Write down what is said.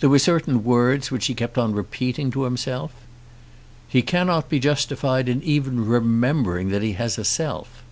There were certain words which he kept on repeating to himself. "He cannot be justified in even remembering that he has a self."